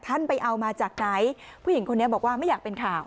ท่านไปเอามาจากไหนผู้หญิงคนนี้บอกว่าไม่อยากเป็นข่าว